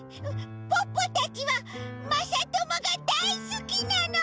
ポッポたちはまさともがだいすきなの！